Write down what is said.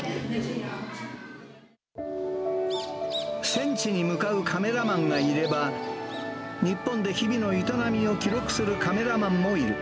戦地に向かうカメラマンがいれば、日本で日々の営みを記録するカメラマンもいる。